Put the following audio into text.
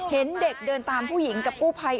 เห็นเด็กเดินตามผู้หญิงกับกู้ภัย